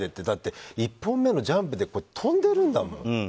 だって１本目のジャンプで飛んでるんだもん。